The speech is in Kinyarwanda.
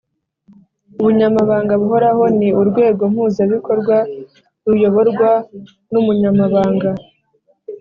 Ubunyamabanga buhoraho ni urwego mpuzabikorwa ruyoborwa n umunyamabanga